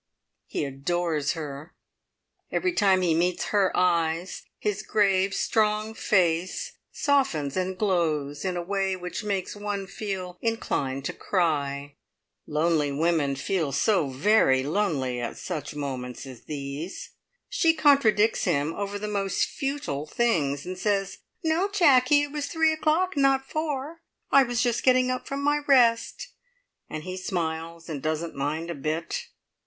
He adores her. Every time he meets her eyes, his grave, strong face softens and glows in a way which makes one feel inclined to cry. Lonely women feel so very lonely at such moments as these! She contradicts him over the most futile things, and says, "No, Jacky, it was three o'clock, not four; I was just getting up from my rest," and he smiles, and doesn't mind a bit.